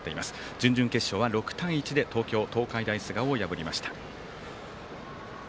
準々決勝は６対１で東京・東海大菅生を破りました。